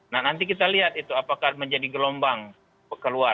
nah nanti kita lihat itu apakah menjadi gelombang keluar